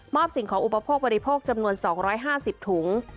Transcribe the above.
สิ่งของอุปโภคบริโภคจำนวน๒๕๐ถุง